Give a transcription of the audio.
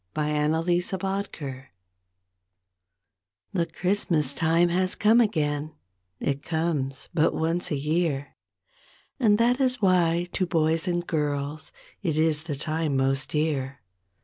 2 1 WHAT CHRISTMAS MEANS The Christmas time has come again, It comes but once a year, And that is why to boys and girls It is the time most dear.